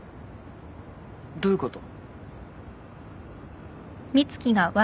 どういうこと？